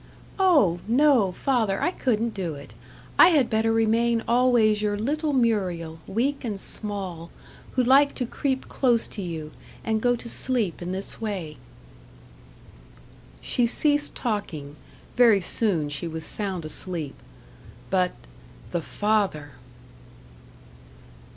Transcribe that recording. "Oh! no, father, I couldn't do it. I had better remain always your little Muriel, weak and small, who liked to creep close to you, and go to sleep in this way." She ceased talking very soon she was sound asleep. But the father!